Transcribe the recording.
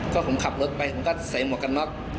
ก็ผมขับรถไปผมก็ใส่หมวกกันน็อก